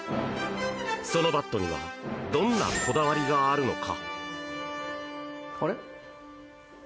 そのバットにはどんなこだわりがあるのか。